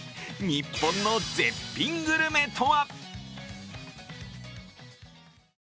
日本の絶品グルメとは？